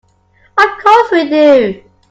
Of course we do.